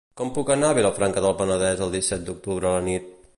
Com puc anar a Vilafranca del Penedès el disset d'octubre a la nit?